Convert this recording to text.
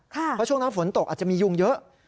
เพราะช่วงนั้นฝนตกอาจจะมียุงเยอะ